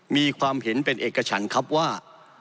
มีความเห็นเป็นเอกฉันครับว่า